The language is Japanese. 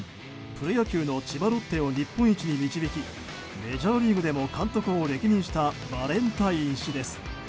プロ野球の千葉ロッテを日本一に導きメジャーリーグでも監督を歴任したバレンタイン氏です。